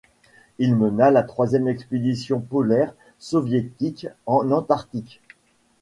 Il mena la troisième expédition polaire soviétique en antarctique.